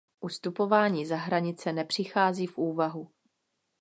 Ustupování za hranice nepřichází v úvahu.